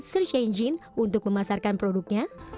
search engine untuk memasarkan produknya